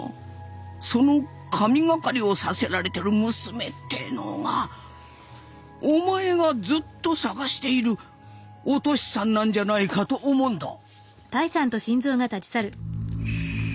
その神懸かりをさせられてる娘ってのがお前がずっと探しているお敏さんなんじゃないかと思うんだ。